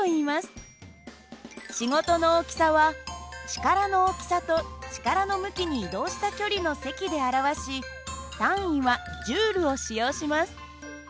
仕事の大きさは力の大きさと力の向きに移動した距離の積で表し単位はＪを使用します。